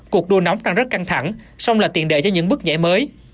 cuộc đua nóng đang rất căng thẳng song là tiền đệ cho những bước nhảy mới